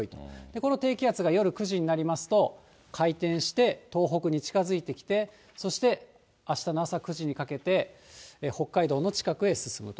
この低気圧が夜９時になりますと、回転して東北に近づいてきて、そしてあしたの朝９時にかけて、北海道の近くへ進むと。